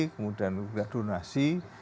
kemudian juga donasi